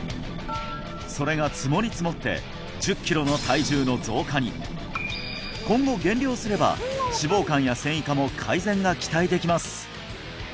それが積もり積もって１０ｋｇの体重の増加に今後減量すれば脂肪肝や線維化も改善が期待できます